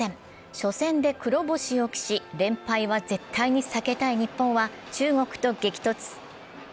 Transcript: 初戦で黒星を喫し連敗は絶対に避けたい日本は中国と激突。